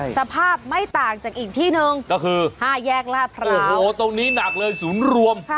สภาพไม่ต่างจากอีกที่หนึ่งก็คือ๕แยกลาดพร้าวโอ้โหตรงนี้หนักเลยศูนย์รวม